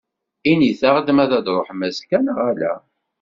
Init-aɣ-d ma ad d-truḥem azekka neɣ ala.